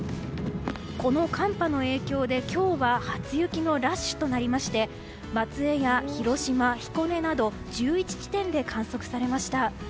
この寒波の影響で今日は初雪のラッシュとなり松江や広島、彦根など１１地点で観測されました。